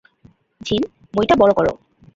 জিন, মইটা বড় কর।